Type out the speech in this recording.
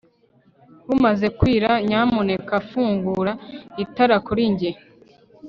bumaze kwira nyamuneka fungura itara kuri njye